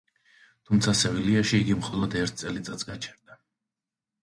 თუმცა სევილიაში იგი მხოლოდ ერთ წელიწადს გაჩერდა.